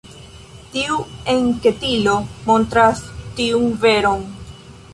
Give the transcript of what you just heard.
Tiu enketilo montras tiun veron.